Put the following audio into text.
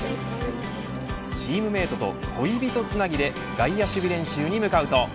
チームメートと恋人つなぎで外野守備練習に向かうと。